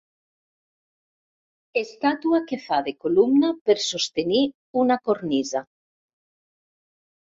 Estàtua que fa de columna per sostenir una cornisa.